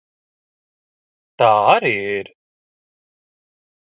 Tā arī ir.